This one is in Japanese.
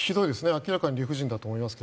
明らかに理不尽だと思います。